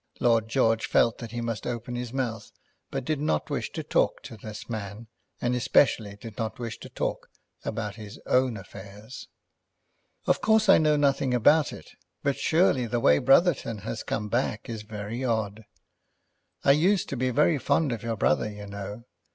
Lord George felt that he must open his mouth, but did not wish to talk to this man, and especially did not wish to talk about his own affairs. "Of course I know nothing about it; but surely the way Brotherton has come back is very odd. I used to be very fond of your brother, you know.